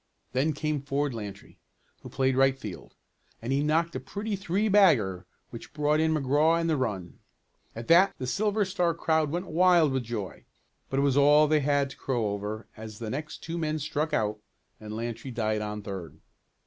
Then came Ford Lantry, who played right field, and he knocked a pretty three bagger which brought in McGraw and the run. At that the Silver Star crowd went wild with joy, but it was all they had to crow over as the next two men struck out and Lantry died on third.